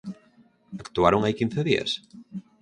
¿Actuaron hai quince días?